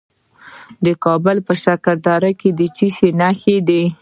د کابل په شکردره کې د څه شي نښې دي؟